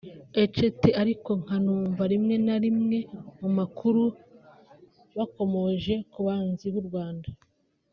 etc ariko nkanumva rimwe na rimwe mumakuru bakomoje kubanzi b’u Rwanda